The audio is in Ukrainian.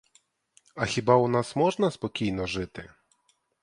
А хіба у нас можна спокійно жити?